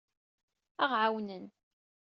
Ad aɣ-ɛawnen.